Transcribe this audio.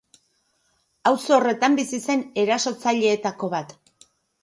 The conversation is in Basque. Auzo horretan bizi zen erasotzaileetako bat.